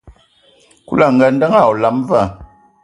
Kulu a ngaandǝŋ hm a olam va,